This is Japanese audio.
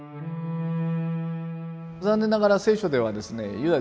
残念ながら聖書ではですねユダ